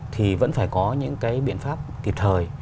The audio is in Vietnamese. thì vẫn phải có những cái biện pháp kịp thời